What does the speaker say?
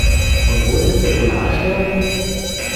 Und wo ist jetzt der Polarstern?